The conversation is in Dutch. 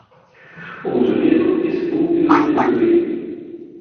Onze wereld is voortdurend in beweging.